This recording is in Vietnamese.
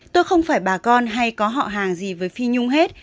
tôi không phải bà con hay có họ hàng gì với phi nhung hết